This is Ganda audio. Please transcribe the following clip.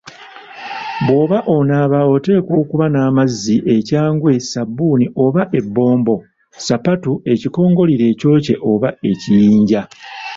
Bw'oba onaaba oteekwa okuba n'amazzi, ekyangwe, ssabbuni oba ebbombo, sapatu, ekikongolira ekyokye oba ekiyinja